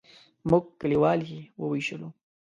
موږ کلیوال یې وویشلو.